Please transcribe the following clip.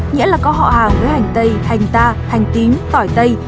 nghĩa là có họ hàng với hành tây hành ta hành tím tỏi tây